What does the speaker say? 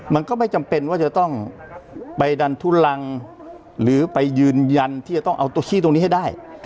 มันก็ไม่จำเป็นว่าจะต้องไปดันทุลังหรือไปยืนยันที่จะต้องเอาตัวขี้ตรงนี้ให้ได้